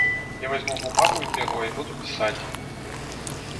Я возьму бумагу и перо и буду писать.